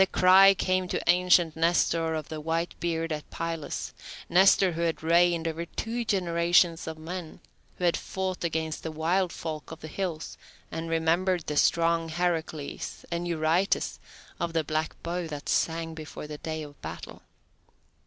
The cry came to ancient Nestor of the white beard at Pylos, Nestor who had reigned over two generations of men, who had fought against the wild folk of the hills, and remembered the strong Heracles, and Eurytus of the black bow that sang before the day of battle.